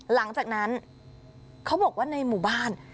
หลังจากนั้นเขาบอกว่าในหมู่บ้าน